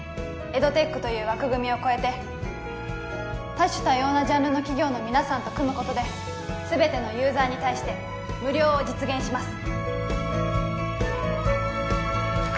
エドテックという枠組みを超えて多種多様なジャンルの企業の皆さんと組むことですべてのユーザーに対して無料を実現します